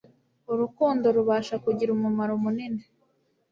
urukundo rubasha gukira umumaro munini